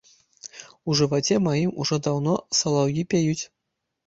У жываце маім ужо даўно салаўі пяюць.